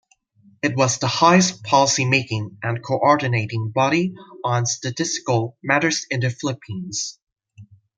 It was the highest policy-making and coordinating body on statistical matters in the Philippines.